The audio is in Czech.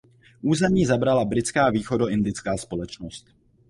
Území zabrala britská Východoindická společnost.